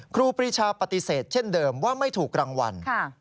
ครูปรีชาปฏิเสธเช่นเดิมว่าไม่ถูกรางวัล